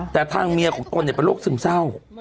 แต่ทางเมียของตนเป็นโรคซึมเศร้า